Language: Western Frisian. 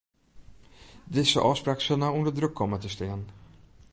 Dizze ôfspraak sil no ûnder druk komme te stean.